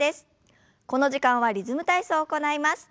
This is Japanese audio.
この時間はリズム体操を行います。